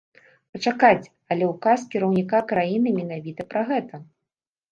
Пачакайце, але ўказ кіраўніка краіны менавіта пра гэта.